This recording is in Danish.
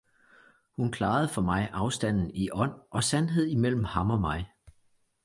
hun klarede for mig afstanden i ånd og sandhed imellem ham og mig.